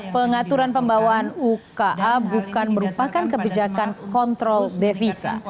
pengaturan pembawaan uka bukan merupakan kebijakan kontrol devisa